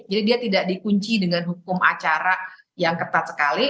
jadi dia tidak dikunci dengan hukum acara yang ketat sekali